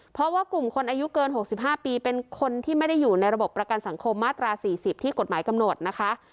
เพราะว่ากลุ่มคนอายุเกิน๖๕ปีเป็นคนที่ไม่ได้อยู่ในระบบประกันสังคมมาตรา๔๐ที่กฎหมายกำหนดนะคะ